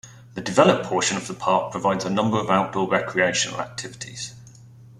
The developed portion of the park provides a number of outdoor recreational activities.